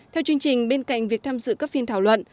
theo chương trình bên cạnh việc tham dự các phiên thảo luận